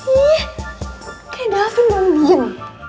ih kayak dalfin baru diam